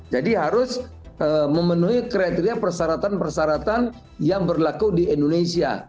jadi harus memenuhi kriteria persyaratan persyaratan yang berlaku di indonesia